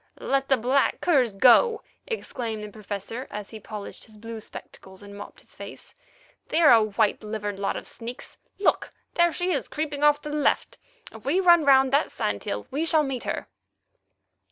"Let the black curs go," exclaimed the Professor as he polished his blue spectacles and mopped his face. "They are a white livered lot of sneaks. Look! There she is, creeping off to the left. If we run round that sand hill we shall meet her."